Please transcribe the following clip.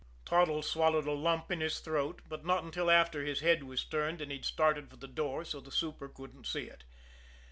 Toddles swallowed a lump in his throat but not until after his head was turned and he'd started for the door so the super couldn't see it.